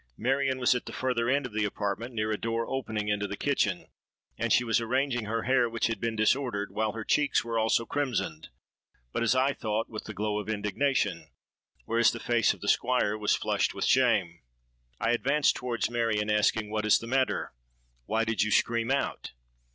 Marion was at the further end of the apartment, near a door opening into the kitchen; and she was arranging her hair, which had been disordered; while her cheeks were also crimsoned, but, as I thought, with the glow of indignation; whereas the face of the Squire was flushed with shame. "I advanced towards Marion, asking, 'What is the matter? why did you scream out?